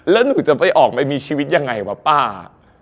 แล้วหนูจะไปออกไปมีชีวิตยังไงวะป้า